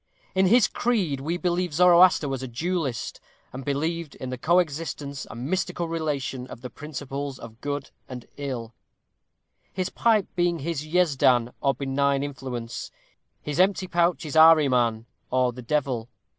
In his creed we believe Zoroaster was a dualist, and believed in the co existence and mystical relation of the principles of good and ill; his pipe being his Yezdan, or benign influence; his empty pouch his Ahreman, or the devil.